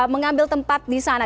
mengambil tempat di sana